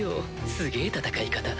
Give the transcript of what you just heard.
すげぇ戦い方。